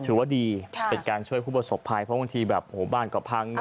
ถือว่าดีเป็นการช่วยผู้ประสบภัยเพราะบางทีแบบโอ้โหบ้านก็พัง